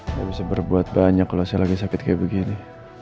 nggak bisa berbuat banyak kalau saya lagi sakit kayak begini